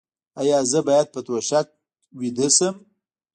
ایا زه باید په توشک ویده شم؟